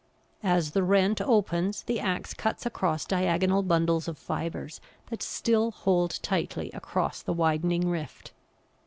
As the rent opens the axe cuts across diagonal bundles of fibres that still hold tightly across the widening rift.